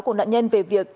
của nạn nhân về việc